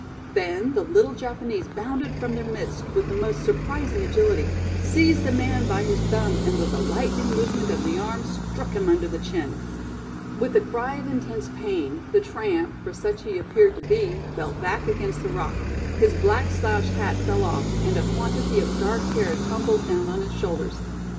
Then the little Japanese bounded from their midst with the most surprising agility, seized the man by his thumb and with a lightning movement of the arm struck him under the chin. With a cry of intense pain, the tramp, for such he appeared to be, fell back against the rock, his black slouch hat fell off, and a quantity of dark hair tumbled down on his shoulders.